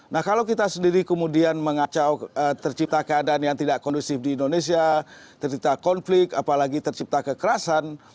nah kalau kita sendiri kemudian mengacau tercipta keadaan yang tidak kondusif di indonesia tercipta konflik apalagi tercipta kekerasan